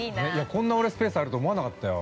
◆こんな俺、スペースあると思わなかったよ。